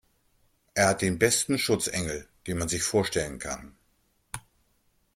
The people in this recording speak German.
Er hat den besten Schutzengel, den man sich vorstellen kann.